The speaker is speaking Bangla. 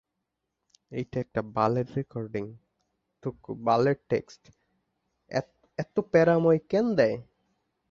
তিনি চার বছর দারুল উলূম নদওয়াতুল উলামায় শায়খুল হাদিসের পদে অধিষ্ঠিত ছিলেন এবং আবুল হাসান আলী নদভীর ঘনিষ্ঠ সহযোগী ছিলেন।